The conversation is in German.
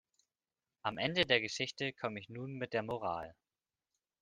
Am Ende der Geschichte komme ich nun mit der Moral.